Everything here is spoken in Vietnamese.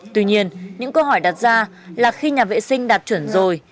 tuy nhiên những câu hỏi đặt ra là khi nhà vệ sinh đạt chuẩn rồi